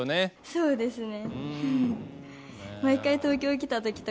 そうですね。